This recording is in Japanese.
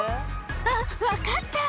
あっ分かった！